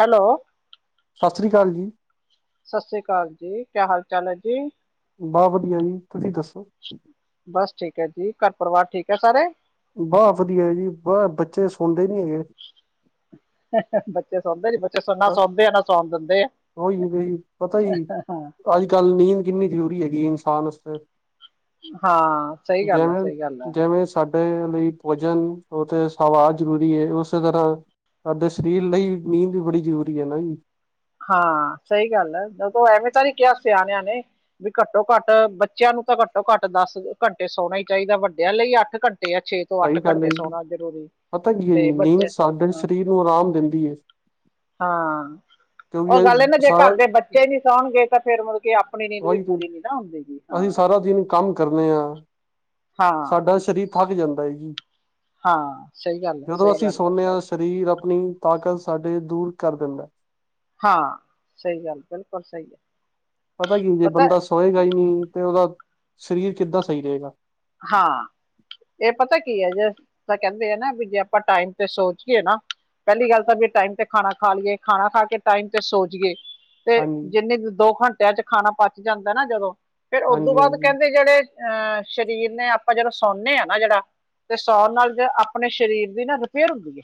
Hello. ਸਤਿ ਸ਼੍ਰੀ ਅਕਾਲ ਜੀ। ਸਤਿ ਸ੍ਰੀ ਅਕਾਲ ਜੀ ਕਿਆ ਹਾਲ ਚਾਲ ਐ ਜੀ? ਬਹੁਤ ਵਧੀਆ ਜੀ, ਤੁਸੀਂ ਦੱਸੋ? ਬਸ ਠੀਕ ਐ ਜੀ, ਘਰ ਪਰਿਵਾਰ ਠੀਕ ਐ ਸਾਰੇ? ਬਗੁਤ ਵਧੀਆ ਜੀ ਬਸ ਬੱਚੇ ਸੁਣਦੇ ਨੀ ਹੈਗੇ। ਬੱਚੇ ਸੋਂਦੇ ਨੀ ਬੱਚੇ ਨਾ ਸੋਂਦੇ ਆ ਨਾ ਸੋਣ ਦਿੰਦੇ ਐ। ਓ ਈ ਜੀ ਪਤਾ ਜੀ ਅੱਜ ਕੱਲ ਨੀਂਦ ਕਿੰਨੀ ਜਰੂਰਰੀ ਹੈਗੀ ਇਨਸਾਨ ਵਾਸਤੇ। ਹਾਂ ਸਈ ਗੱਲ ਆ, ਜਿਵੇਂ ਸਈ ਗੱਲ ਆ। ਜਿਵੇਂ ਸਾਡੇ ਲਈ ਭੋਜਨ ਉੱਥੇ ਸਵਾਦ ਜ਼ਰੂਰੀ ਹੈ ਉਸੇ ਤਰ੍ਹਾਂ ਸਾਡੇ ਸਰੀਰ ਲਈ ਨੀਂਦ ਵੀ ਬੜੀ ਜ਼ਰੂਰੀ ਹੈ ਨਾ ਜੀ ਹਾਂ ਸਹੀ ਗੱਲ ਹੈ ਜਦੋਂ ਐਵੇਂ ਤਾਂ ਨੀ ਕਿਹਾ ਸਿਆਣਿਆਂ ਨੇ ਵੀ ਘੱਟੋ ਘੱਟ ਬੱਚਿਆਂ ਨੂੰ ਤਾਂ ਘੱਟੋ ਘੱਟ ਦਸ ਘੰਟੇ ਸੋਣਾ ਹੀ ਚਾਹੀਦਾ ਵੱਡਿਆਂ ਲਈ ਅੱਠ ਘੰਟੇ ਜਾਂ ਛੇ ਤੋਂ ਅੱਠ ਸਹੀ ਗੱਲ ਹੈ ਘੰਟੇ ਜੀ। ਸੋਣਾ ਜ਼ਰੂਰੀ, ਪਤਾ ਕੀ ਹੈ ਤੇ ਜੀ ਨੀਂਦ ਬੱਚੇ, ਸਾਡੇ ਹਮ ਸਰੀਰ ਨੂੰ ਆਰਾਮ ਦਿੰਦੀ ਹੈ ਹਾਂ ਕਿਉਂਕਿ ਉਹ ਗੱਲ ਇਹ ਨਾ ਜੇ ਸਾਰਾ ਘਰ ਦੇ ਬੱਚੇ ਨੀ ਸਾਂਭਣਗੇ ਤਾਂ ਫਿਰ ਮੁੜ ਕੇ ਆਪਣੀ ਨੀਂਦ ਵੀ ਉਹੀ ਪੂਰੀ ਨੀ ਨਾ ਹੁੰਦੀ ਜੀ ਅਸੀਂ ਹਾਂ ਸਾਰਾ ਦਿਨ ਕੰਮ ਕਰਨਾ ਹਾਂ ਸਾਡਾ ਸਰੀਰ ਥੱਕ ਜਾਂਦਾ ਹੈ ਜੀ ਹਾਂ ਸਹੀ ਗੱਲ ਹੈ ਜਦੋਂ ਸਹੀ ਅਸੀਂ ਗੱਲ ਸੋਨੇ ਹੈ ਹਾਂ ਸਰੀਰ ਆਪਣੀ ਤਾਕਤ ਸਾਡੇ ਦੂਰ ਕਰ ਦਿੰਦਾ ਹਾਂ ਸਹੀ ਗੱਲ ਬਿਲਕੁਲ ਸਹੀ ਗੱਲ ਹੈ ਪਤਾ ਕੀ ਜੇ ਬੰਦਾ ਸੋਏਗਾ ਹੀ ਨਹੀਂ ਤੇ ਉਹਦਾ ਸਰੀਰ ਕਿੱਦਾਂ ਸਹੀ ਰਹੇਗਾ ਹਾਂ ਇਹ ਪਤਾ ਕੀ ਹੈ ਜੇ ਤਾਂ ਕਹਿੰਦੇ ਆ ਨਾ ਵੀ ਜੇ ਆਪਾਂ ਟਾਈਮ ਤੇ ਸੋ ਜੀਏ ਨਾ ਪਹਿਲੀ ਗੱਲ ਤਾਂ ਵੀ ਟਾਈਮ ਤੇ ਖਾਣਾ ਖਾ ਲਈਏ ਖਾਣਾ ਖਾ ਕੇ ਟਾਈਮ ਤੇ ਸੋ ਜਾਈਏ ਤੇ ਹਾਂਜੀ ਜਿੰਨੀ ਦੋ ਘੰਟਿਆਂ 'ਚ ਖਾਣਾ ਪਚ ਜਾਂਦਾ ਨਾ ਜਦੋਂ ਫਿਰ ਉਦੋਂ ਹਾਂਜੀ ਬਾਅਦ ਹਾਂਜੀ ਕਹਿੰਦੇ ਜਿਹੜੇ ਅਹ ਸਰੀਰ ਨੇ ਆਪਾਂ ਜਦੋਂ ਸੌਂਦੇ ਹਾਂ ਨਾ ਜਿਹੜਾ ਤੇ ਸੌਣ ਨਾਲ ਜ ਆਪਣੇ ਸਰੀਰ ਦੀ ਨਾ ਰਿਪੇਅਰ ਹੁੰਦੀ ਹੈ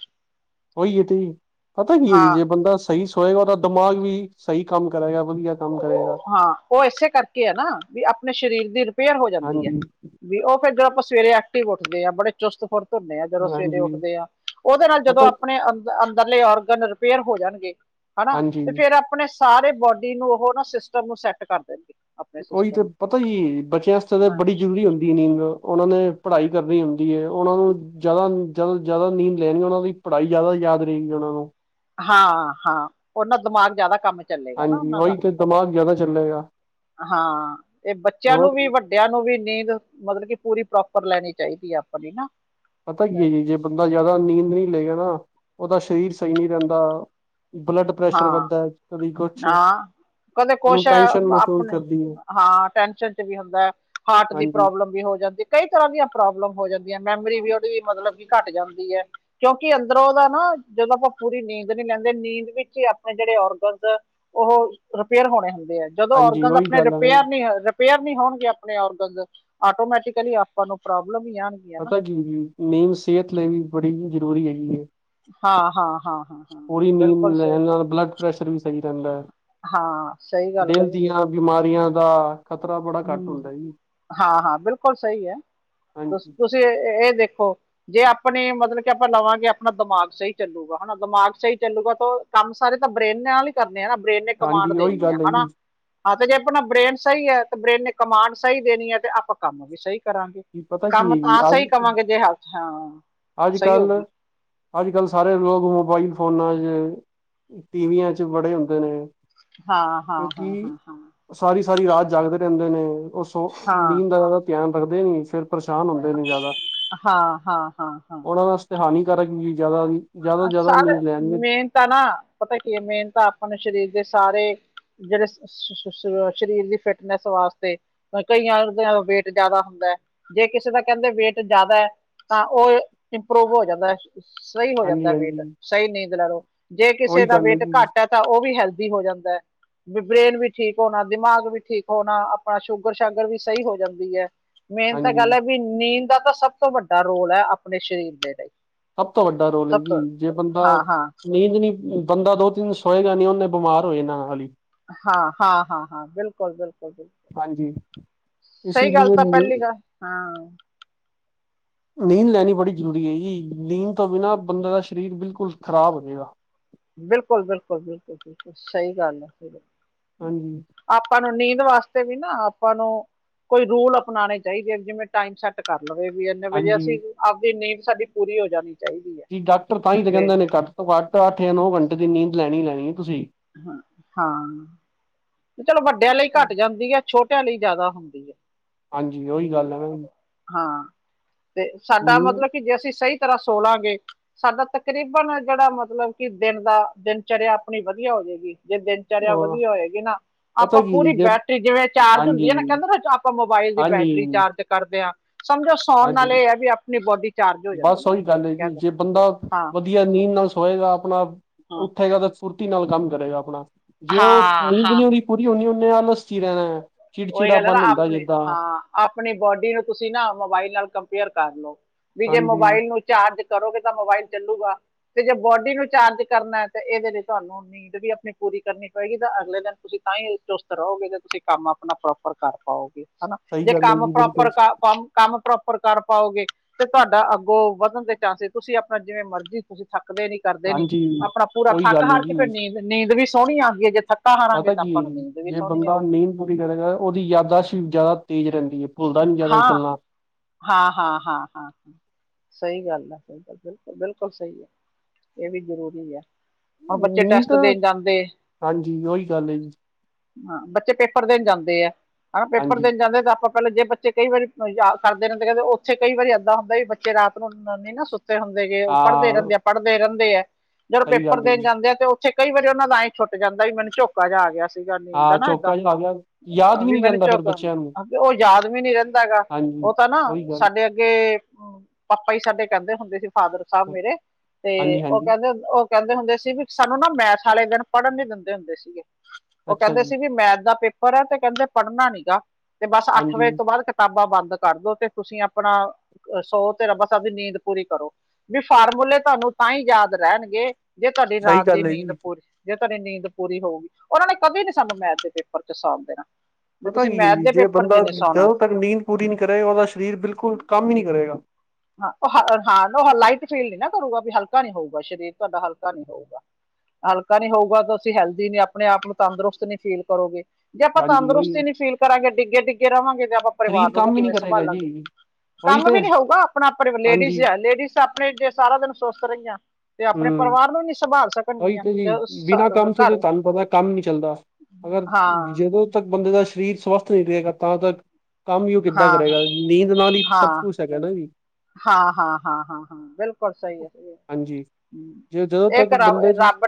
ਉਹੀ ਤੇ ਜ ਪਤਾ ਕੀ ਹੈ ਜੀ ਹਾਂ ਜੇ ਬੰਦਾ ਸਹੀ ਸੋਏਗਾ ਉਹਦਾ ਦਿਮਾਗ ਵੀ ਸਹੀ ਕੰਮ ਕਰੇਗਾ ਵਧੀਆ ਕੰਮ ਕਰੇਗਾ ਉਹ ਹਾਂ ਉਹ ਇਸੇ ਕਰਕੇ ਹੈ ਨਾ ਵੀ ਆਪਣੇ ਸਰੀਰ ਦੀ ਰਿਪੇਅਰ ਹੋ ਜਾਂਦੀ ਹੈ ਹਾਂਜੀ ਏ ਵੀ ਉਹ ਫੇਰ ਜਦੋਂ ਆਪਾਂ ਸਵੇਰੇ ਐਕਟਿਵ ਹੁੰਦੇ ਆ ਬੜੇ ਚੁਸਤ ਫੁਰਤ ਧੁਰਨੇ ਆ ਜਦੋਂ ਸਵੇਰੇ ਹਾਂਜੀ ਉੱਠਦੇ ਆ ਉਹਦੇ ਨਾਲ ਜਦੋਂ ਪਤਾ ਆਪਣੇ ਅੰਦਰ ਅੰਦਰਲੇ ਔਰਗਨ ਰਿਪੇਅਰ ਹੋ ਜਾਣਗੇ ਹਨਾ ਹਾਂਜੀ ਤੇ ਫੇਰ ਆਪਣੇ ਸਾਰੇ ਬੋਡੀ ਨੂੰ ਉਹ ਨਾ ਸਿਸਟਮ ਨੂੰ ਸੈੱਟ ਕਰ ਦੇਣਗੇ ਆਪਣੇ ਉਹੀ ਤੇ ਸਿਸਟਮ ਨੂੰ ਪਤਾ ਕੀ ਬੱਚਿਆਂ ਵਾਸਤੇ ਤਾਂ ਹਾਂ ਬੜੀ ਜ਼ਰੂਰੀ ਹੁੰਦੀ ਨਿੰਗ ਉਹਨਾਂ ਨੇ ਪੜ੍ਹਾਈ ਕਰਨੀ ਹੁੰਂਦੀ ਹੈ ਏ ਉਹਨਾਂ ਨੂੰ ਜ਼ਿਆਦਾ ਜਿਆ ਜ਼ਿਆਦਾ ਨੀਂਦ ਲੈਣਗੇ ਉਹਨਾਂ ਦੀ ਪੜ੍ਹਾਈ ਜ਼ਿਆਦਾ ਯਾਦ ਰਹੇਗੀ ਉਹ ਨੂੰ ਹਾਂ, ਹਾਂ ਉਹਨਾਂ ਦਿਮਾਗ ਜ਼ਿਆਦਾ ਕੰਮ ਚੱਲੇਗਾ ਨਾ ਹਾਂਜੀ ਉਹਨਾਂ ਦਾ ਉਹੀ ਤੇ ਦਿਮਾਗ ਜ਼ਿਆਦਾ ਚੱਲੇਗਾ ਹਾਂ ਇਹ ਬੱਚਿਆਂ ਹੋਰ ਨੂੰ ਵੀ ਵੱਡਾ ਵੱਡਿਆਂ ਨੂੰ ਵੀ ਨੀਂਦ ਮਤਲਬ ਕਿ ਪੂਰੀ ਪ੍ਰੋਪਰ ਲੈਣੀ ਚਾਹੀਦੀ ਹੈ ਆਪਣੀ ਨਾ ਪਤਾ ਕੀ ਹੈ ਜੀ ਜੇ ਬੰਦਾ ਜ਼ਿਆਦਾ ਨੀਂਦ ਨਹੀਂ ਲਏਗਾ ਨਾ ਉਹਦਾ ਸਰੀਰ ਸਹੀ ਨਹੀਂ ਰਹਿੰਦਾ ਬਲੱਡ ਪ੍ਰੈਸ਼ਰ ਹਾਂ ਵੱਧਦਾ ਕਦੇ ਕੁਛ ਹਾਂ ਕਦੇ ਕੁਛ ਉਹਨੂੰ ਹੈ ਟੈਸ਼ਨ ਮਹਿਸੂਸ ਆਪਣੇ ਕਰਦੀ ਹੈ ਹਾਂ ਟੈਨਸ਼ਨ 'ਚ ਵੀ ਹੁੰਦਾ ਹਾਰਟ ਦੀ ਹਾਂਜੀ ਪ੍ਰੋਬਲਮ ਵੀ ਹੋ ਜਾਂਦੀ ਕਈ ਤਰ੍ਹਾਂ ਦੀਆਂ ਪ੍ਰੋਬਲਮ ਹੋ ਜਾਂਦੀਆਂ ਏ ਮੈਮਰੀ ਵੀ ਉਹਦੀ ਮਤਲਬ ਕਿ ਘੱਟ ਜਾਂਦੀ ਹੈ ਕਿਉਂਕਿ ਅੰਦਰੋਂ ਉਹਦਾ ਨਾ ਜਦੋਂ ਆਪਾਂ ਪੂਰੀ ਨੀਂਦ ਨੀ ਲੈਂਦੇ ਨੀਂਦ ਵੀ ਸੀ ਆਪਣੇ ਜਿਹੜੇ ਔਰਗਨਸ ਉਹ ਰਿਪੇਅਰ ਹੋਣੇ ਹੁੰਦੇ ਆ ਜੀ ਜਦੋਂ ਹਾਂਜੀ ਔਰਗਨ ਉਹੀ ਆਪਣੇ ਗੱਲ ਹੈ ਨਾ। ਰਿਪੇਅਰ ਨਹੀਂ ਹੋਣਗੇ ਰਿਪੇਅਰ ਨਹੀਂ ਹੋਣਗੇ ਆਪਣੇ ਔਰਗਨਸ ਆਟੋਮੈਟੀਿਕਲੀ ਆਪਾਂ ਨੂੰ ਪ੍ਰੋਬਲਮ ਹੀ ਹੈ ਪਤਾ ਕੀ ਜੀ ਮੇਨ ਸਿਹਤ ਲਈ ਵੀ ਬੜੀ ਜ਼ਰੂਰੀ ਹੈਗੀ ਹੈ ਹਾਂ- ਹਾਂ -ਹਾਂ ਹਾਂ ਪੂਰੀ ਬਿਲਕੁਲ ਨੀਂਦ ਸਹੀ ਲੈਣ ਨਾਲ ਬਲੱਡ ਪ੍ਰੈਸ਼ਰ ਵੀ ਸਹੀ ਰਹਿੰਦਾ ਹੈ, ਹਾਂ ਸਹੀ ਗੱਲ ਹੈ ਦਿਲ ਦੀਆਂ ਬਿਮਾਰੀਆਂ ਦਾ ਖ਼ਤਰਾ ਬੜਾ ਘੱਟ ਹਮ ਹੁੰਦਾ ਜੀ ਹਾਂ ਹਾਂ ਬਿਲਕੁਲ ਸਹੀ ਹੈ ਤੁਸੀ, ਹਾਂਜੀ ਤੁਸੀਂ ਇਹ ਦੇਖੋ ਜੇ ਆਪਣੀ ਮਤਲਬ ਕਿ ਆਪਾਂ ਲਵਾਂਗੇ ਆਪਣਾ ਦਿਮਾਗ ਸਹੀ ਚੱਲੂ ਹਾ ਦਿਮਾਗ ਸਹੀ ਚੱਲੂਗਾ, ਤਾਂ ਕੰਮ ਸਾਰੇ ਤਾਂ ਬ੍ਰੇਨ ਨਾਲ ਹੀ ਕਰਨੇ ਹੈ ਨਾ ਬ੍ਰੇਨ ਨੇ ਕਮਾਂਡ ਹਾਂਜੀ ਉਹੀ ਦੇਣੀ ਹੈ ਗੱਲ ਹਨਾ, ਹੈਗੀ ਹਾਂ ਤੇ ਜੇ ਆਪਣਾ ਬ੍ਰੇਨ ਸਹੀ ਹੈ ਬ੍ਰੇਨ ਨੇ ਕਮਾਂਡ ਸਹੀ ਦੇਣੀ ਹੈ ਤੇ ਆਪਾਂ ਕੰਮ ਵੀ ਸਹੀ ਕਰਾਂਗੇ, ਜੀ ਪਤਾ ਕੀ ਕੰਮ ਹੈਗੀ ਤਾਂ ਅੱਜ ਸਹੀ ਕਵਾਂਗੇ ਜੇ ਹੈਲਥ ਹਾਂ ਅੱਜ ਸਹੀ ਹੋਗੀ। ਕੱਲ੍ਹ ਅੱਜ ਕੱਲ੍ਹ ਸਾਰੇ ਲੋਕ ਮੋਬਾਈਲ ਫੋਨਾਂ 'ਚ ਟੀਵੀਆਂ 'ਚ ਵੜੇ ਹੁੰਦੇ ਨੇ ਹਾਂ-ਹਾਂ, ਹਾਂ-ਹਾਂ ਹਾਂ ਸਾਰੀ-ਸਾਰੀ ਰਾਤ ਜਾਗਦੇ ਰਹਿੰਦੇ ਨੇ, ਉਹ ਸੋ ਹਾਂ ਨੀਂਦ ਦਾ ਧਿਆਨ ਰੱਖਦੇ ਨੀ ਫਿਰ ਪਰੇਸ਼ਾਨ ਹੁੰਦੇ ਨੇ ਜ਼ਿਆਦਾ, ਹਾਂ ਹਾਂ ਹਾਂ ਹਾਂ ਉਹਨਾਂ ਵਾਸਤੇ ਹਾਨੀਕਾਰਕ 'ਜ ਜ਼ਿਆਦਾ ਵੀ ਸਾਰੇ ਮੇਹਨ ਤਾਂ ਨਾ ਪਤਾ ਕੀ ਹੈ, ਮੇਹਨ ਤਾਂ ਆਪਾਂ ਨੂੰ ਸਰੀਰ ਦੇ ਸਾਰੇ ਜਿਹੜੇ ਸਰੀਰ ਦੀ ਫਿਟਨੈਸ ਵਾਸਤੇ ਕਈਆਂ ਵੇਟ ਜਿਆਦਾ ਹੁੰਦਾ ਹੈ, ਜੇ ਕਿਸੇ ਦਾ ਕਹਿੰਦੇ ਵੇਟ ਜ਼ਿਆਦਾ ਹੈ ਤਾਂ ਉਹ ਇੰਪਰੂਵ ਹੋ ਜਾਂਦਾ, ਸਹੀ ਹੋ ਜਾਂਦਾ ਹਾਂਜੀ ਵੇਟ ਹਾਂਜੀ ਸਹੀ ਨੀਂਦ ਲ ਲੋ, ਜੇ ਕਿਸੇ ਉਹੀ ਦਾ ਗੱਲ ਵੇਟ ਜੀ ਘੱਟ ਹੈ ਤਾਂ ਉਹ ਵੀ ਹੈਲਦੀ ਹੋ ਜਾਂਦਾ ਹੈ। ਬ੍ਰਰੇਨ ਵੀ ਠੀਕ ਹੋਣਾ, ਦਿਮਾਗ ਵੀ ਠੀਕ ਹੋਣਾ, ਆਪਣਾ ਸ਼ੂਗਰ- ਸ਼ਾਗਰ ਵੀ ਸਹੀ ਹੋ ਜਾਂਦੀ ਹੈ। ਮੇਨ ਤਾਂ ਹਾਂਜੀ ਗੱਲ ਹੈ ਵੀ, ਨੀਂਦ ਦਾ ਤਾਂ ਸਭ ਤੋਂ ਵੱਡਾ ਰੋਲ ਹੈ ਆਪਣੇ ਸਰੀਰ ਦੇ ਲਈ ਸਭ ਤੋਂ ਵੱਡਾ ਰੋਲ ਹੈ ਸਭ ਜੀ, ਤੋਂ ਜੇ ਬੰਦਾ ਹਾਂ ਹਾਂ ਨੀਂਦ ਨੀ ਬੰਦਾ ਦੋ ਸੋਏਗਾ ਨੀ ਉਹਨੇ ਬਿਮਾਰ ਹੋਏ ਜਾਨਾਂ ਨਾਲ ਹੀ ਹਾਂ-ਹਾਂ ਹਾਂ-ਹਾਂ, ਬਿਲਕੁਲ-ਬਿਲਕੁਲ ਬਿਲਕੁਲ ਹਾਂਜੀ ਇਸ ਸਹੀ ਗੱਲ ਲਈ ਤਾਂ ਨੀ ਪਹਿਲੀ ਗੱਲ, ਹਾਂ ਨੀਂਦ ਲੈਣੀ ਬੜੀ ਜ਼ਰੂਰੀ ਹੈ ਜੀ, ਨੀਂਦ ਤੋਂ ਬਿਨਾਂ ਬੰਦੇ ਦਾ ਸਰੀਰ ਬਿਲਕੁਲ ਖ਼ਰਾਬ ਹੋ ਜੇ ਗਾ। ਬਿਲਕੁਲ-ਬਿਲਕੁਲ ਬਿਲਕੁਲ-ਬਿਲਕੁਲ, ਸਹੀ ਗੱਲ ਆ ਫਿਰ ਹਾਂਜੀ ਆਪਾਂ ਨੂੰ ਨੀਂਦ ਵਾਸਤੇ ਵੀ ਨਾ ਆਪਾਂ ਨੂੰ, ਕੋਈ ਰੂਲ ਅਪਣਾਉਣੇ ਚਾਹੀਦੇ ਆ ਜਿਵੇਂ ਟਾਈਮ ਸੈੱਟ ਕਰ ਲਵੇ ਵੀ ਇੰਨੇ ਵਜੇ, ਹਾਂਜੀ ਅਸੀਂ ਆਪਦੀ ਨੀਂਵ ਸਾਡੀ ਪੂਰੀ ਹੋ ਜਾਣੀ। ਚਾਹੀਦੀ ਹੈ ਜ ਡਾਕਟਰ ਤਾਂ ਹੀ ਤੇ ਕਹਿੰਦੇ ਨੇ ਘੱਟ ਤੋਂ ਘੱਟ, ਅੱਠ ਜਾਂ ਨੌ ਘੰਟੇ ਦੀ ਨੀਂਦ ਲੈਣੀ-ਲੈਣੀ ਤੁਸੀਂ ਹਾਂ, ਚਲੋ ਵੱਡਿਆਂ ਲਈ ਘੱਟ ਜਾਂਦੀ ਹੈ ਛੋਟਿਆਂ ਲਈ ਜ਼ਿਆਦਾ ਹੁੰਦੀ ਹੈ। ਹਾਂਜੀ ਉਹੀ ਵੀ ਗੱਲ ਹੈ ਨਾ ਹਾਂ, ਤੇ ਸਾਡਾ ਨੀ ਮਤਲਬ ਕਿ ਜੇ ਅਸੀਂ ਸਹੀ ਤਰ੍ਹਾਂ ਸੋਲਾਂਗੇ ਸਾਡਾ ਤਕਰੀਬਨ ਜਿਹੜਾ ਮਤਲਬ ਕਿ ਦਿਨ ਦਾ, ਦਿਨਚਰਿਆ ਆਪਣੀ ਵਧੀਆ ਹੋ ਜਾਏਗੀ ਜੇ ਦਿਨ ਵਿਚਾਰ ਵਧੀਆ ਹੋਏਗੀ ਨਾ, ਪਤਾ ਆਪਾਂ ਕੀ ਜੀ ਪੂਰੀ ਜੇ ਬੈਟਰੀ ਜਿਵੇਂ ਚਾਰਜ ਹੁੰਦੀ ਹਾਂਜੀ ਹੈ ਨਾ ਕਹਿੰਦੇ ਨਾ ਆਪਾਂ ਮੋਬਾਈਲ ਦੀ ਬੈਟਰੀ ਹਾਂਜੀ ਚਾਰਜ ਕਰਦੇ ਹਾਂ, ਸਮਝੋ ਸਾਉਣ ਨਾਲ ਹਾਂਜੀ ਇਹ ਹੈ ਵੀ ਆਪਣੀ ਬੋਡੀ ਚਾਰਜ ਹੋ ਜਾਂਦੀ ਬਸ ਉਹੀ ਗੱਲ ਹੈ ਜੀ, ਕਹਿੰਦਾ ਜੇ ਬੰਦਾ ਹਾਂ ਵਧੀਆ ਨੀਂਦ ਨਾਲ ਸੋਏਗਾ ਆਪਣਾ, ਹਾਂ ਉੱਠੇਗਾ ਤਾਂ ਫੁਰਤੀ ਨਾਲ ਕੰਮ ਕਰੇਗਾ ਆਪਣਾ, ਜੇ ਉਹ ਹਾਂ ਨੀਂਦ ਹਾਂ ਨਹੀ ਹੋਣੀ ਪੂਰੀ ਹੁੰਣੀ ਓਨੇ ਆਲਸ 'ਚ ਰਹਿਣਾ ਹੈ। ਉਹੀ ਚਿੜਚਿੜਾ ਗੱਲ ਹੈ ਨਾ ਬੰਨ ਹੁੰਦਾ ਆਪਣੇ ਜਿੱਦਾਂ ਹਾਂ ਆਪਣੀ ਬੋਡੀ ਨੂੰ ਤੁਸੀਂ ਨਾ ਮੋਬਾਈਲ ਨਾਲ ਕੰਪੇਅਰ ਕਰ ਲਓ, ਵੀ ਜੇ ਹਾਂਜੀ ਮੋਬਾਈਲ ਨੂੰ ਚਾਰਜ ਕਰੋਗੇ ਤਾਂ ਮੋਬਾਈਲ ਚੱਲੂਗਾ, ਤੇ ਜੇ ਬੋਡੀ ਨੂੰ ਚਾਰਜ ਕਰਨਾ ਤੇ ਇਹਦੇ ਲਈ ਤੁਹਾਨੂੰ ਨੀਂਦ ਵੀ ਆਪਣੀ ਪੂਰੀ ਕਰਨੀ ਪਏਗੀ ਤਾਂ ਅਗਲੇ ਦਿਨ ਤੁਸੀਂ ਤਾਂ ਹੀ ਚੁਸਤ ਰਹੋਗੇ, ਜ ਤੁਸੀਂ ਕੰਮ ਆਪਣਾ ਪ੍ਰੋਪਰ ਕਰ ਪਾਓਗੇ ਹਨਾ, ਸਹੀ ਜੇ ਗੱਲ ਹੈ ਕੰਮ ਜੀ ਬਿਲਕੁਲ ਪ੍ਰੋਪਰ ਕੰਮ ਕੰਮ ਪ੍ਰੋਪਰ ਕਰ ਪਾਓਗੇ, ਤੇ ਤੁਹਾਡਾ ਅੱਗੋਂ ਵਧਣ ਦੇ ਚਾਂਸਿਸ ਤੁਸੀਂ ਆਪਣਾ ਜਿਵੇਂ ਮਰਜ਼ੀ ਥੱਕਦੇ ਨੀ ਕਰਦੇ ਨੀ, ਹਾਂਜੀ ਆਪਣਾ ਪੂਰਾ ਉਹੀ ਥੱਕ ਗੱਲ ਹੈ ਹਾਰ ਕੇ ਫਿਰ ਜੀ ਨੀਂਦ-ਨੀਂਦ ਵੀ ਸੋਹਣੀ ਆਉਂਦੀ ਹੈ ਜੇ ਥੱਕ ਥਕਾ ਹਾਰਾਂਗੇ ਪਤਾ ਤਾਂ, ਕੀ ਹੈ ਆਪਾਂ ਨੂੰ ਜੀ ਨੀਂਦ ਵੀ ਜੇ ਸੋਹਣੀ ਬੰਦਾ ਆਊਗੀ। ਨੀਂਦ ਪੂਰੀ ਕਰ ਉਹਦੀ ਯਾਦਦਾਸ਼ ਵੀ ਜ਼ਿਆਦਾ ਤੇਜ਼ ਰਹਿੰਦੀ ਹੈ, ਭੁੱਲਦਾ ਨੀ ਜਿਆਦਾ ਗੱਲਾਂ ਹਾਂ-ਹਾਂ, ਹਾਂ-ਹਾਂ ਹਾਂ ਸਹੀ ਗੱਲ ਹੈ ਬਿਲਕੁਲ-ਬਿਲਕੁਲ, ਬਿਲਕੁਲ ਸਹੀ ਹੈ ਇਹ ਵੀ ਜ਼ਰੂਰੀ ਹੈ। ਹੁਣ ਬੱਚੇ ਨੀਂਦ ਟੈਸਟ ਦੇਣ ਜਾਂਦੇ ਹਾਂਜੀ ਉਹੀ ਗੱਲ ਹੈ ਜੀ ਹਾਂ ਬੱਚੇ ਪੇਪਰ ਦੇਣ ਜਾਂਦੇ ਆ ਹਨਾ ਪੇਪਰ ਹਾਂਜੀ ਦੇਣ ਜਾਂਦੇ ਆ ਤੇ ਆਪਾਂ ਪਹਿਲਾਂ ਜੇ ਬੇ ਤੇ ਕਈ ਵਾਰੀ ਯਾਦ ਕਰਦੇ ਕਹਿੰਦੇ ਰਹਿੰਦੇ ਉੱਥੇ ਕਈ ਵਾਰੀ ਇਦਾਂ ਹੁੰਦਾ ਵੀ ਬੱਚੇ ਰਾਤ ਨੂੰ ਨਾ ਹੁੰਦੇ ਗੇ ਉਹ ਪੜ੍ਹਦੇ ਹਾਂ ਰਹਿੰਦੇ ਆ ਪੜ੍ਹਦੇ ਰਹਿੰਦੇ ਹੈ ਜਦੋਂ ਸਹੀ ਪੇਪਰ ਗੱਲ ਹੈ ਦੇਣ ਜੀ ਜਾਂਦੇ ਆ ਤੇ ਤੇ ਕਈ ਵਾਰੀ ਉਹਨਾ ਦਾ ਇਹੀ ਛੁਟ ਜਾਂਦਾ ਮਨ ਚੋ ਮਜਾ ਆ ਗਿਆ ਸੀਗਾ ਨੀਂਦ ਦਾ ਹਾਂ ਨਾ ਏਦਾਂ ਚੌਕਾ ਜਿਹਾ ਆ ਗਿਆ ਯਾਦ ਵੀ ਨਹੀਂ ਮੈਨੂੰ ਰਹਿੰਦਾ ਫਿਰ ਚੁੱਕ ਬੱਚਿਆਂ ਨੂੰ ਉਹ ਯਾਦ ਵੀ ਨੀ ਰਹਿੰਦਾ ਹੈਗਾ ਹਾਂਜੀ ਉਹ ਤਾਂ ਨਾ ਉਹੀ ਗੱਲ ਸਾਡੇ ਅੱਗੇ ਪਾਪਾ ਹੀ ਸਾਡੇ ਕਹਿੰਦੇ ਹੁੰਦੇ ਸੀ। ਫਾਦਰ ਸਾਹਿਬ ਮੇਰੇ ਤੇ ਹਾਂਜੀ ਉਹ ਹਾਂਜੀ ਕਹਿੰਦੇ ਉਹ ਕਹਿੰਦੇ ਹੁੰਦੇ ਸੀ ਵੀ ਸਾਨੂੰ ਨਾ ਮੈਥ ਵਾਲੇ ਦਿਨ ਪੜ੍ਹਨ ਨੀ ਦਿੰਦੇ ਹੁੰਦੇ ਸੀਗੇ ਉਹ ਅੱਛਾ ਕਹਿੰਦੇ ਜੀ ਸੀ ਵੀ ਮੈਥ ਦਾ ਪੇਪਰ ਹੈ ਤੇ ਕਹਿੰਦੇ ਪੜ੍ਹਨਾ ਨੀ ਗਾ ਤੇ ਬਸ ਅੱਠ ਵਜੇ ਹਾਂਜੀ ਤੋਂ ਬਾਅਦ ਕਿਤਾਬਾਂ ਬੰਦ ਕਰਦੋ ਤੇ ਤੁਸੀਂ ਆਪਣਾ ਸੋ ਤੇ ਰੱਬਾ ਸਾਹਿਬ ਦੀ ਨੀਂਦ ਪੂਰੀ ਕਰੋ ਇਹ ਫਾਰਮੂਲੇ ਤੁਹਾਨੂੰ ਤਾਂ ਹੀ ਯਾਦ ਰਹਿਣਗੇ ਜੇ ਤੁਹਾਡੀ ਸਹੀ ਰਾਤ ਦੀ ਗੱਲ ਹੈ ਨੀਂਦ ਜੀ ਪੂਰੀ। ਜੇ ਤੁਹਾਡੀ ਨੀਂਦ ਪੂਰੀ ਹੋਊਗੀ ਉਹਨਾਂ ਨੇ ਕਦੇ ਨੀ ਸਾਨੂੰ ਮੈਥ ਦੇ ਪੇਪਰ 'ਚ ਸੌਂਣ ਦੇਣਾ। ਵੀ ਪਤਾ ਤੁਸੀਂ ਕੀ ਹੈ ਮੈਥ ਜੀ ਦੇ ਜੇ ਪੇਪਰ 'ਚ ਬੰਦਾ ਨਹੀਂ ਸੌਣਾ ਜਦੋਂ ਤੱਕ ਨੀਂਦ ਪੂਰੀ ਨੀ ਕਰੇ ਉਹਦਾ ਸਰੀਰ ਬਿਲਕੁਲ ਕੰਮ ਹੀ ਨਹੀਂ ਕਰੇਗਾ। ਹਾਂ ਹਾਂ ਉਹ ਲਾਈਟ ਫੀਲ ਨੀ ਨਾ ਕਰੂਗਾ ਵੀ ਹਲਕਾ ਨੀ ਹੋਊਗਾ ਸਰੀਰ ਤੁਹਾਡਾ ਹਲਕਾ ਨੀ ਹੋਊਗਾ। ਹਲਕਾ ਨੀ ਹੋਊਗਾ ਤਾਂ ਅਸੀਂ ਹੈਲਦੀ ਨਹੀਂ ਤੁਸੀਂ ਆਪਣੇ ਆਪ ਨੂੰ ਤੰਦਰੁਸਤ ਨੀ ਫੀਲ ਕਰੋਗੇ। ਜੇ ਆਪਾਂ ਹਾਂਜੀ ਉਹੀ ਤੰਦਰੁਸਤੀ ਨੀ ਫੀਲ ਕਰਾਂਗੇ ਡਿੱਗੇ ਡਿੱਗੇ ਰਵਾਂਗੇ ਤੇ ਆਪਾਂ। ਪਰਿਵਾਰ ਸਰੀਰ ਨੂੰ ਵੀ ਕੰਮ ਹੀ ਕਿਵੇਂ ਨਹੀਂ ਕਰੇਗਾ ਸੰਭਾਲਾਂਗੇ ਜੀ ਉਹੀ ਕੰਮ ਤੇ ਵੀ ਨੀ ਹੋਊਗਾ। ਆਪਣਾ ਆਪਣੇ ਲੇਡੀਜ਼ ਹਾਂਜੀ ਲੇਡੀਜ਼ ਆਪਣੇ ਜੇ ਸਾਰਾ ਦਿਨ ਸੁਸਤ ਰਹੀਆਂ ਤੇ ਆਪਣੇ ਹਮ ਪਰਿਵਾਰ ਨੂੰ ਨੀ ਸੰਭਾਲ। ਉਹੀ ਸਕਣਗੀਆਂ ਤੇ ਉਸ ਜੀ ਸਾ- ਬਿਨਾਂ ਕੰਮ ਤੋਂ ਘਰ ਤੁਹਾਨੂੰ ਪਤਾ ਕੰਮ ਨੀ ਚੱਲਦਾ ਅਗਰ ਹਾਂ ਜਦੋਂ ਤੱਕ। ਬੰਦੇ ਦਾ ਸਰੀਰ ਸਵਸਥ ਨਹੀਂ ਰਹੇਗਾ ਤਾਂ ਤਾਂ ਕੰਮ ਹੀ ਉਹ ਕਿੱਦਾਂ ਹਾਂ ਕਰੇਗਾ ਨੀਂਦ ਨਾਲ ਹੀ ਸਭ ਹਾਂ ਕੁਛ। ਤਾਂ ਹੈਗਾ ਨਾ। ਹਾਂ ਹਾਂ ਹਾਂ ਹਾਂ ਹਾਂ ਬਿਲਕੁਲ ਸਹੀ ਹੈ ਸਹੀ ਹਾਂਜੀ, ਜ ਜਦੋਂ ਇੱਕ ਤੱਕ ਰੱਬ ਬੰਦੇ ਦੀ ਰੱਬ।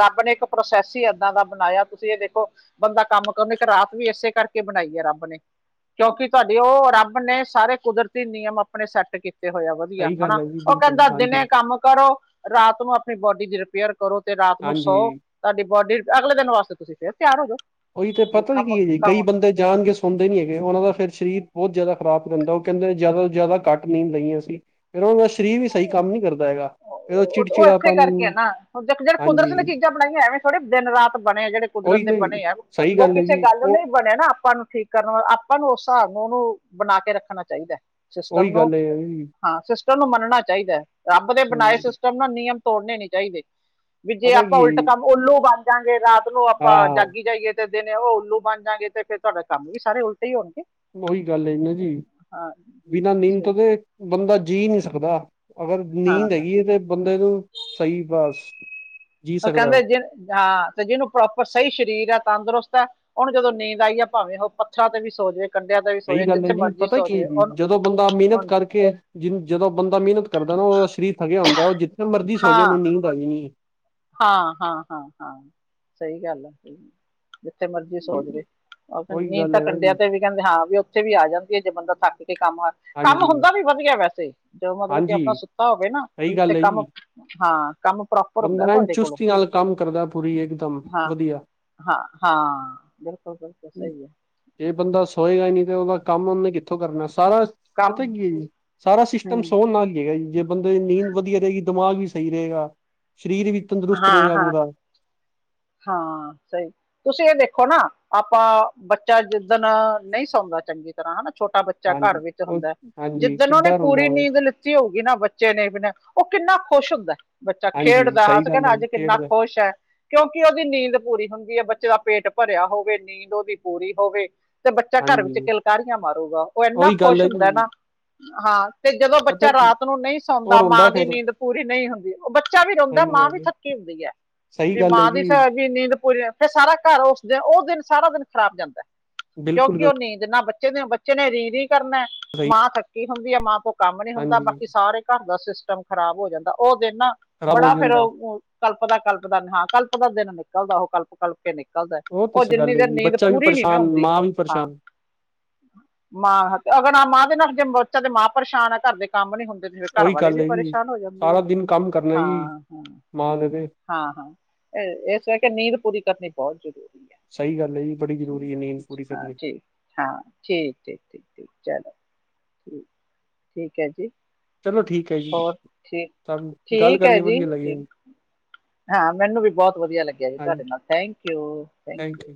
ਰੱਬ ਨੇ ਇੱਕ ਪ੍ਰੋਸੈਸ ਹੀ ਇੱਦਾਂ ਦਾ ਬਣਾਇਆ ਤੁਸੀਂ ਇਹ ਦੇਖੋ। ਬੰਦਾ ਕੰਮ ਕਰਨ ਨਹੀਂ ਤੇ ਰਾਤ ਵੀ ਇਸੇ ਕਰਕੇ ਬਣਾਈ ਹੈ ਰੱਬ ਨੇ। ਕਿਉਂਕਿ ਤੁਹਾਡੇ ਉਹ ਰੱਬ ਨੇ ਸਾਰੇ ਕੁਦਰਤੀ ਨਿਯਮ ਆਪਣੇ ਸੈੱਟ। ਕੀਤੇ ਹੋਏ ਆ ਵਧੀਆ ਸਹੀ ਗੱਲ ਹਨਾ ਹੈ ਜੀ ਉਹ ਬਿਲਕੁਲ ਕਹਿੰਦਾ ਦਿਨੇ ਹਾਂਜੀ। ਕੰਮ ਕਰੋ ਰਾਤ ਨੂੰ ਆਪਣੀ ਬੋਡੀ ਦੀ ਰਿਪੇਅਰ। ਕਰੋ ਤੇ ਰਾਤ ਨੂੰ ਸੌਉ ਹਾਂਜੀ, ਤੁਹਾਡੀ ਬੋਡੀ ਅਗਲੇ ਦਿਨ ਵਾਸਤੇ ਤੁਸੀਂ ਫੇਰ ਤਿਆਰ ਹੋ ਜੋ। ਉਹੀ ਤੇ ਪਤਾ ਨੀ ਕੀ ਹੈ ਜੀ ਕਈ ਬੰਦੇ ਜਾਣਗੇ। ਸੋਂਦੇ ਨੀ ਹੈਗੇ ਉਹਨਾ ਦਾ ਫਿਰ ਸਰੀਰ ਬਹੁਤ ਜ਼ਿਆਦਾ ਖ਼ਰਾਬ ਕਰਦਾ ਉਹ ਕਹਿੰਦੇ ਜ਼ਿਆਦਾ ਜ਼ਿਆਦਾ ਘੱਟ ਨੀਂਦ ਲਈਏ ਅਸੀਂ। ਫੇਰ ਉਨਾਂ ਦਾ ਸਰੀਰ ਵੀ ਸਹੀ ਕੰਮ ਨੀ ਕਰਦਾ ਹੈਗਾ। ਫਿਰ ਉਹ ਉਹ ਇਸੇ ਕਰਕੇ ਹੈ ਚਿੜਚਿੜਾਪਨ ਨਾ ਹੁਣ ਜਿਹੜੇ ਕੁਦਰਤ ਨੇ ਹਾਂਜੀ ਚੀਜ਼ਾਂ ਬਣਾਈਆਂ ਐਵੇਂ ਥੋੜੇ ਦਿਨ ਰਾਤ ਬਣੇ ਜਿਹੜੇ। ਕੁਦਰਤ ਉਹੀ ਦੇ ਤੇ ਬਣੇ ਆ ਸਹੀ ਉਹ ਹੈ ਕਿਸੇ ਜੀ ਗੱਲ ਉਹ ਨੂੰ। ਬਣਿਆ ਨਾ ਆਪਾਂ ਨੂੰ ਠੀਕ ਕਰਨ ਆਪਾਂ ਨੂੰ ਉਸ ਹਿਸਾਬ ਨੂੰ ਉਹਨੂੰ ਬਣਾ ਕੇ ਰੱਖਣਾ ਚਾਹੀਦਾ। ਸਿਸਟਮ ਉਹੀ ਨੂੰ ਗੱਲ ਹੈ ਜੀ ਹਾਂ ਸਿਸਟਮ ਨੂੰ ਮੰਨਣਾ ਚਾਹੀਦਾ ਹੈ ਰੱਬ ਦੇ ਬਣਾਏ ਹੂੰ ਸਿਸਟਮ। ਨਿਯਮ ਤੋੜਨੇ ਨੀ ਚਾਹੀਦੇ ਵੀ ਜੇ ਪਤਾ ਆਪਾਂ ਕੀ ਹੈ ਉਲਟ ਜੀ ਕੰਮ ਉੱਲੂ। ਬਣ ਜਾਗੇ ਰਾਤ ਨੂੰ ਆਪਾਂ ਹਾਂ ਝਾਕੀ ਜਾਈਏ। ਤੇ ਦਿਨੇ ਉਹ ਉੱਲੂ ਬਣ ਜਾਂਗੇ ਤੇ ਫੇਰ ਤੁਹਾਡਾ ਕੰਮ ਵੀ ਸਾਰੇ ਉਲਟੇ ਹੀ ਹੋਣਗੇ। ਉਹੀ ਗੱਲ ਹੈ ਨਾ ਜੀ ਹਾਂ ਬਿਨਾਂ ਨੀਂਦ ਤੋਂ ਸਹੀ ਦੇ ਬੰਦਾ ਜੀਅ ਨਹੀਂ ਸਕਦਾ। ਅਗਰ ਹਾਂ ਨੀਂਦ ਹੈਗੀ ਹੈ ਤੇ ਬੰਦੇ ਨੂੰ ਸਹੀ ਬਸ। ਜੀ ਉਹ ਸਕਦਾ ਕਹਿੰਦੇ ਜਿੰਨ ਹਾਂ। ਤੇ ਜਿਹਨੂੰ ਪ੍ਰੋਪਰ ਸਹੀ ਸਰੀਰ ਹੈ, ਤੰਦਰੁਸਤ ਹੈ। ਉਹਨੂੰ ਜਦੋਂ ਨੀਂਦ ਆਈ ਹੈ। ਭਾਵੇਂ ਉਹ ਪੱਥਰਾਂ ਤੇ ਵੀ ਸੌ ਜਾਵੇ। ਕੰਡਿਆਂ ਤੇ ਵੀ ਸੋ ਸਹੀ ਜਾਵੇ ਗੱਲ ਹੈ ਜਿੱਥੇ ਜੀ ਮਰਜ਼ੀ ਪਤਾ ਸੋ ਕੀ ਹੈ ਜਾਵੇ ਜੀ ਉਹਨੂੰ ਜਦੋਂ ਬੰਦਾ ਮਿਹਨਤ ਕਰਕੇ। ਜਿਹਨੂੰ ਜਦੋਂ ਬੰਦਾ ਮਿਹਨਤ ਕਰਦਾ ਨਾ ਉਹਦਾ ਸਰੀਰ ਥਕਿਆ ਹੁੰਦਾ ਉਹ ਜਿੱਥੇ ਮਰਜ਼ੀ ਸੌ ਜੇ ਉਹਨੂੰ ਹਾਂ ਨੀਂਦ ਆ ਜਾਣੀਂ ਹੈ। ਹਾਂ ਹਾਂ ਹਾਂ ਹਾਂ ਸਹੀ ਗੱਲ ਆ ਜਿੱਥੇ ਮਰਜ਼ੀ ਹੈ। ਸੌ ਜਾਵੇ। ਉਹ ਉਹੀ ਨੀਂਦ ਗੱਲ ਤਾਂ ਹੈ ਨਾ ਕੰਡਿਆ ਜੀ ਤੇ ਵੀ ਕਹਿੰਦੇ ਹਾਂ ਵੀ ਉੱਥੇ ਵੀ ਆ ਜਾਂਦੀ ਹੈ ਜੇ ਬੰਦਾ ਥੱਕ ਕੇ ਕੰਮ। ਕੰਮ ਹਾਂਜੀ ਹੁੰਦਾ ਵੀ ਵਦੀਐ ਵੈਸੇ ਜਦੋਂ ਮਤਲਬ ਕਿ ਆਪਨਾ ਸੁੱਤਾ ਹੋਵੇ ਨਾ ਸਈ ਤੇ ਗੱਲ ਐ ਕੰਮ ਜੀ। ਹਾਂ ਕੰਮ ਪ੍ਰੋਪਰ ਹੁੰਦਾ। ਬੰਦਾ ਐਨ ਤੁਹਾਡੇ ਕੋਲੋਂ ਚੁਸਤੀ ਨਾਲ ਕੰਮ ਕਰਦਾ ਪੂਰੀ ਇਕਦਮ ਵਦੀਆ। ਹਾਂ-ਹਾਂ, ਬਿਲਕੁਲ-ਬਿਲਕੁਲ ਸਈ ਐ। ਜੇ ਬੰਦਾ ਸੋਏਗਾ ਨੀ ਤੇ ਓਦਾ ਕੰਮ ਓਨੇ ਕਿੱਥੋਂ ਕਰਨਾ ਸਾਰਾ ਪਤਾ ਕੰਮ ਕੀ ਐ ਜੀ, ਸਾਰਾ ਸਿਸਟਮ ਹੂੰ ਸੌਣ ਨਾਲ ਈ ਹੈਗਾ ਜੀ ਜੇ ਬੰਦੇ ਦੀ ਨੀਂਦ ਵਦੀਆ ਰਏਗੀ ਦਿਮਾਗ ਵੀ ਸਈ ਰਏਗਾ, ਸਰੀਰ ਵੀ ਤੰਦਰੁਸਤ ਹਾਂ ਰਏਗਾ ਹਾਂ ਪੂਰਾ। ਹਾਂ ਸਈ ਤੁਸੀਂ ਏ ਦੇਖੋ ਨਾ ਆਪਾਂ ਬੱਚਾ ਜਿੱਦਣ ਨਈ ਸੌਂਦਾ ਚੰਗੀ ਤਰ੍ਹਾਂ ਹਨਾ ਛੋਟਾ ਬੱਚਾ ਘਰ ਹਾਂਜੀ ਵਿੱਚ ਉਹ ਹੁੰਦਾ, ਹਾਂਜੀ ਜਿੱਦਣ ਓਨੇ ਕਿੱਦਾਂ ਪੂਰੀ ਹੁੰਦਾ ਨੀਂਦ ਲਿੱ ਲਿੱਤੀ ਹੋਊਗੀ ਨਾ ਬੱਚੇ ਨੇ ਬਿਨਾਂ, ਓ ਕਿੰਨਾ ਖੁਸ਼ ਹੁੰਦਾ। ਬੱਚਾ ਹਾਂਜੀ ਖੇਡਦਾ ਸਹੀ ਆਪਾਂ ਗੱਲ ਹੈ ਕੈਨਾ ਜੀ ਅੱਜ ਕਿੰਨਾ ਖੇਡਦਾ ਖੁਸ਼ ਐ। ਕਿਓਂਕਿ ਓਦੀ ਨੀਂਦ ਪੂਰੀ ਹੁੰਦੀ ਐ ਬੱਚੇ ਦਾ ਪੇਟ ਭਰਿਆ ਹੋਵੇ ਨੀਂਦ ਓਦੀ ਪੂਰੀ ਹੋਵੇ ਤੇ ਬੱਚਾ ਘਰ ਹਾਂਜੀ ਵਿੱਚ ਕਿਲਕਾਰੀਆਂ ਮਾਰੂਗਾ ਓ ਐਨਾ ਉਹੀ ਗੱਲ ਖੁਸ਼ ਹੈ ਹੁੰਦਾ ਜੀ ਨਾ ਹਾਂ ਤੇ ਜਦੋਂ ਪਤਾ ਬੱਚਾ ਕੀ ਰਾਤ ਨੂੰ ਨਈ ਉਹ ਸੌਂਦਾ ਰੋਂਦਾ ਮਾਂ ਦੀ ਫੇਰ ਨੀਂਦ ਪੂਰੀ ਨਈ ਹੁੰਦੀ ਓ ਬੱਚਾ ਵੀ ਰੋਂਦਾ ਸਹੀ ਮਾਂ ਵੀ ਗੱਲ ਹੈ ਥੱਕੀ ਹੁੰਦੀ ਐ। ਸਹੀ ਵੀ ਗੱਲ ਹੈ ਮਾਂ ਦੀ ਜੀ ਵੀ ਨੀਂਦ ਪੂਰੀ ਨਾ ਹੋਵੇ ਫੇਰ ਸਾਰਾ ਘਰ ਓਸ ਦਿਨ ਓ ਦਿਨ ਸਾਰਾ ਦਿਨ ਖ਼ਰਾਬ ਜਾਂਦਾ। ਬਿਲਕੁਲ ਕਿਓਂਕਿ ਗੱਲ ਓ ਨੀਂਦ ਨਾ ਬੱਚੇ ਨੇ ਬੱਚੇ ਨੇ ਰੀਂ-ਰੀਂ ਕਰਨਾ ਸਹੀ ਮਾਂ ਥੱਕੀ ਹੁੰਦੀ ਐ ਮਾਂ ਤੋਂ ਕੰਮ ਨੀ ਹੁੰਦਾ ਹਾਂਜੀ ਬਾਕੀ ਸਾਰੇ ਘਰ ਦਾ ਸਿਸਟਮ ਖਰਾਬ ਹੋ ਜਾਂਦਾ ਓ ਦਿਨ ਨਾ ਖ਼ਰਾਬ ਹੋ ਬੜਾ ਫੇਰ ਜਾਂਦਾ ਕਲਪਦਾ-ਕਲਪਦਾ ਹਾਂ ਕਲਪਦਾ ਦਿਨ ਨਿਕਲਦਾ ਓ ਕਲਪ-ਕਲਪ ਤੇ ਨਿਕਲਦਾ ਉਹ ਤੇ ਓ ਸਹੀ ਜਿੰਨੀ ਗੱਲ ਹੈ ਦੇਰ ਜੀ ਨੀਂਦ ਬੱਚਾ ਵੀ ਪੂਰੀ ਨੀ ਨਾ ਪਰੇਸ਼ਾਨ ਹੁੰਦੀ, ਮਾਂ ਵੀ ਹਾਂ। ਪਰੇਸ਼ਾਨ ਮਾਂ ਤੇ ਅਗਰ ਨਾ ਮਾਂ ਦੇ ਨਾਲ ਜੇ ਬੱਚਾ ਦੇ ਮਾਂ ਪਰੇਸ਼ਾਨ ਆ ਘਰ ਦੇ ਕੰਮ ਨੀ ਹੁੰਦੇ। ਜਿਵੇਂ ਘਰ ਉਹੀ ਵਾਲੇ ਗੱਲ ਵੀ ਹੈ ਜੀ ਪਰੇਸ਼ਾਨ ਹੋ ਜਾਂਦੇ ਆ, ਸਾਰਾ ਦਿਨ ਕੰਮ ਕਰਨਾ ਜੀ ਹਾਂ-ਹਾਂ। ਮਾਂ ਦੇ ਦੇ ਹਾਂ-ਹਾਂ ਏਸ ਕਰਕੇ ਨੀਂਦ ਪੂਰੀ ਕਰਨੀ ਬਹੁ ਜ਼ਰੂਰੀ ਐ। ਸਈ ਗੱਲ ਐ ਜੀ ਬੜੀ ਜ਼ਰੂਰੀ ਐ ਨੀਂਦ ਪੂਰੀ ਕਰਨੀ। ਹਾਂ ਠੀਕ-ਠੀਕ-ਠੀਕ-ਠੀਕ ਚਲੋ ਠੀਕ-ਠੀਕ ਐ ਜੀ। ਚਲੋ ਠੀਕ ਹੈ ਜੀ ਹੋਰ ਤੁਹਾਨੂੰ ਗੱਲ ਠੀਕ-ਠੀਕ ਐ ਕਰਕੇ ਜੀ ਵਧੀਆ ਲੱਗਿਆ ਠੀਕ ਜੀ ਹਾਂ ਮੈਨੂੰ ਵੀ ਬੋਤ ਵਦੀਆ ਲੱਗਿਆ ਜੀ ਹਾਂਜੀ ਤੁਆਡੇ ਨਾਲ ਥੈਂਕ ਯੂ ਥੈਂਕ ਯੂ।